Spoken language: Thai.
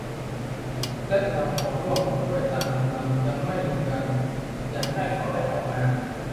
และเราขอร่วมอดด้วยตามกำลัง ยังไม่ลืมกัน อยากให้เขาได้ออกมา